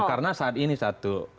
karena saat ini satu